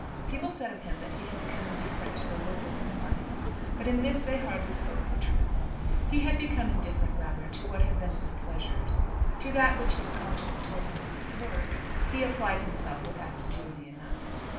People said of him that he had become indifferent to the work of his life, but in this they hardly spoke the truth. He had become indifferent rather to what had been its pleasures. To that which his conscience told him was its work, he applied himself with assiduity enough.